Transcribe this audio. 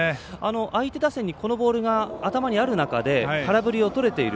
相手打線にこのボールが頭にある中で空振りをとれている。